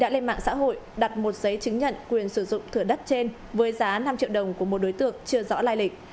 lên mạng xã hội đặt một giấy chứng nhận quyền sử dụng thửa đất trên với giá năm triệu đồng của một đối tượng chưa rõ lai lịch